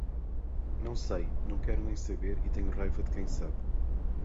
Não sei, não quero nem saber e tenho raiva de quem sabe